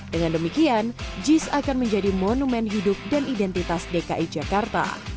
dengan demikian jis akan menjadi monumen hidup dan identitas dki jakarta